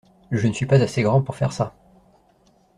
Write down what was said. Je ne suis pas assez grand pour faire ça.